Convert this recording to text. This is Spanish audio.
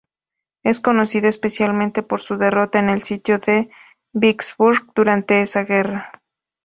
Es conocido especialmente por su derrota en el sitio de Vicksburg durante esa guerra.